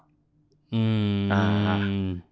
อืม